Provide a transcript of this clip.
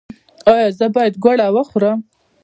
ایا زه باید ګوړه وخورم؟